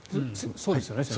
そうですね。